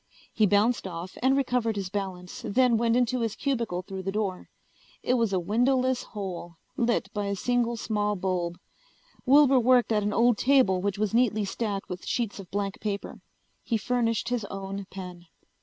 He bounced off and recovered his balance, then went into his cubicle through the door. It was a windowless hole, lit by a single small bulb. Wilbur worked at an old table which was neatly stacked with sheets of blank paper. He furnished his own pen.